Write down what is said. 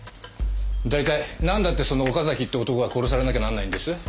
大体なんだってその岡崎って男が殺されなきゃなんないんです？